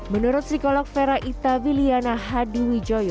menurut psikolog vera ittawiliana hadwiwijoyo